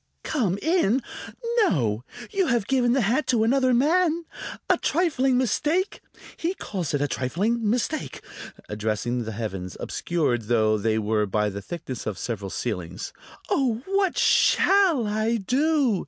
"Come in? No! You have given the hat to another man? A trifling mistake! He calls it a trifling mistake!" addressing the heavens, obscured though they were by the thickness of several ceilings. "Oh, what shall I do?"